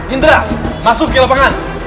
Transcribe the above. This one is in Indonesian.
indra masuk ke lapangan